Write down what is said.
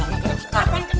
udah namsi jalan aja belum